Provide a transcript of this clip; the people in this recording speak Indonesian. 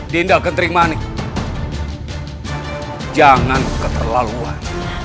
dinda keterima nih jangan keterlaluan